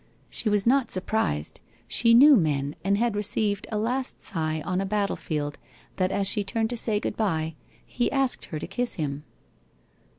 She was not surprised, she knew men and had received a last sigh on a battlefield, that as she turned to Bay good bye, he asked her to kiss him.